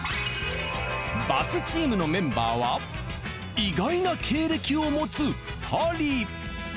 バスチームのメンバーは意外な経歴を持つ２人。